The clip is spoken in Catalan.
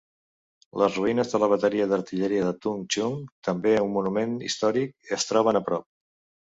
Les ruïnes de la bateria d'artilleria de Tung Chung, també un monument històric, es troben a prop.